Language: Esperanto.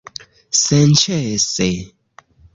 Senĉese!